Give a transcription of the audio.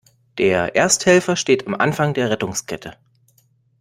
Der Ersthelfer steht am Anfang der Rettungskette.